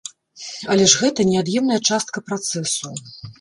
Але ж гэта неад'емная частка працэсу.